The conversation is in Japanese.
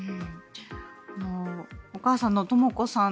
お母さんのとも子さん